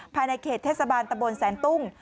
ภายในเขตเทศบาลตะบนแสนตุ้ง